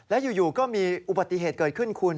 แล้วอยู่ก็มีอุบัติเหตุเกิดขึ้นคุณ